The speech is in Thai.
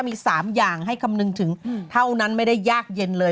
มี๓อย่างให้คำนึงถึงเท่านั้นไม่ได้ยากเย็นเลย